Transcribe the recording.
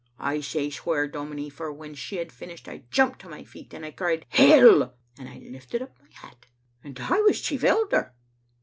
I say swear, dominie, for when she had finished I jumped to my feet, and I cried, *Hell!* and I lifted up my hat. And I was chief elder.